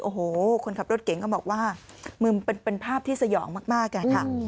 โอ้โหคนขับรถเก่งก็บอกว่าเป็นภาพที่สยองมากอะค่ะ